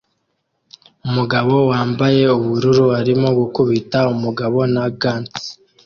Umugabo wambaye ubururu arimo gukubita umugabo na gants